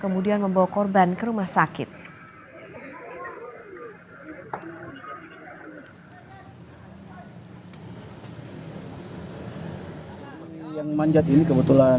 kemudian membawa korban ke rumah sakit